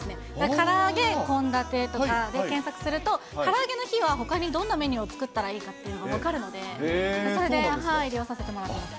から揚げ、献立とかで検索すると、から揚げの日はほかにどんなメニューを作ったらいいかっていうのが分かるので、それで計画を立ててます。